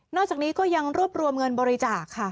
จากนี้ก็ยังรวบรวมเงินบริจาคค่ะ